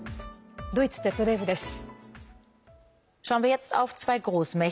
ドイツＺＤＦです。